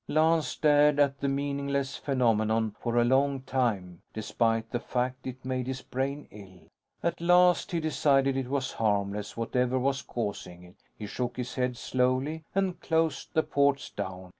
Lance stared at the meaningless phenomenon for a long time despite the fact it made his brain ill. At last, he decided it was harmless, whatever was causing it. He shook his head slowly and closed the ports down.